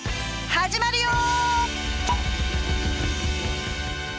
始まるよ！